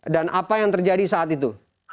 dan apa yang terjadi saat itu